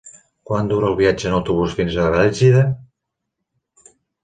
Quant dura el viatge en autobús fins a Bèlgida?